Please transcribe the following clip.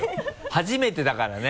初めてだからね。